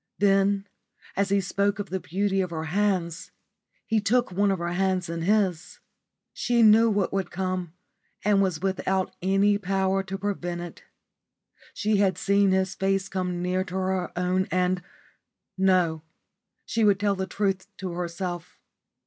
Then as he spoke of the beauty of her hands, he took one of her hands in his. She knew what would come, and was without any power to prevent it. She had seen his face come near to her own and no, she would tell the truth to herself.